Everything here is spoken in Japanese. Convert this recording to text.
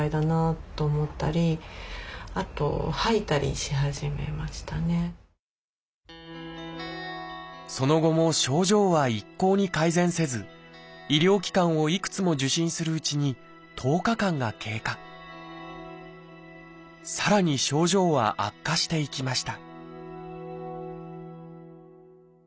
しかしその後も症状は一向に改善せず医療機関をいくつも受診するうちにさらに症状は悪化していきました